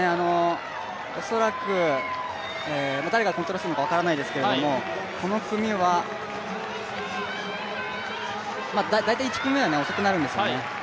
恐らく誰がコントロールするか分からないですけど、大体１組目は遅くなるんですよね。